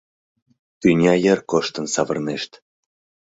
Тӱня йыр коштын савырнышет.